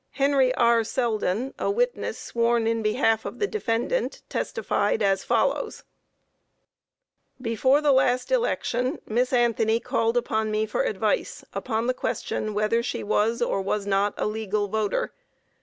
HENRY R. SELDEN, a witness sworn in behalf of the defendant, testified as follows: Before the last election, Miss Anthony called upon me for advice, upon the question whether she was or was not a legal voter.